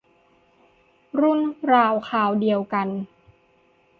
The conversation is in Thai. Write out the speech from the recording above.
รุ่นราวคราวเดียวกัน